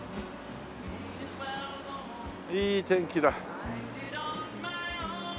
いい天気だ。